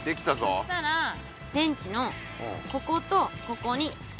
そしたら電池のこことここにつける。